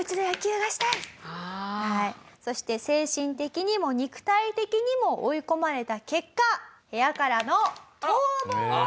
そして精神的にも肉体的にも追い込まれた結果部屋からの逃亡を決意。